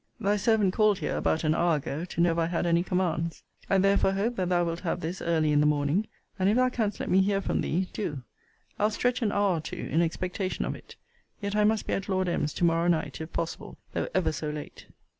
Thy servant called here about an hour ago, to know if I had any commands; I therefore hope that thou wilt have this early in the morning. And if thou canst let me hear from thee, do. I'll stretch an hour or two in expectation of it. Yet I must be at Lord M.'s to morrow night, if possible, though ever so late.